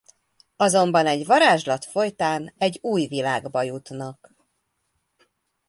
Azonban egy varázslat folytán egy új világba jutnak.